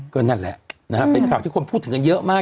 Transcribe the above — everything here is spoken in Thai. ก็นั่นแหละนะครับที่คนพูดถึงกันเยอะมาก